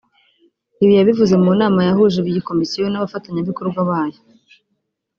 Ibi yabivuze mu nama yahuje iyi Komisiyo n’abafatanya bikorwa bayo